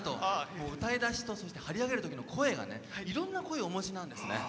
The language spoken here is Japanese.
もう、歌い出しと張り上げるときの声がいろんな声をお持ちなんですね。